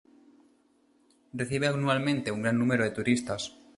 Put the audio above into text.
Recibe anualmente un gran número de turistas.